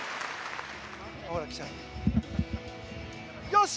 よし！